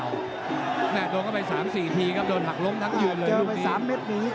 แต่ติดต้องต้องกลับไปสามสี่ทีครับตองหลักล้มเยี่ยนเลย๓เม็ดนี้